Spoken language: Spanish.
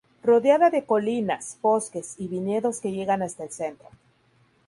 Rodeada de colinas, bosques y viñedos que llegan hasta el centro.